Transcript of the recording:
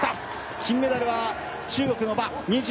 金メダルは中国の馬。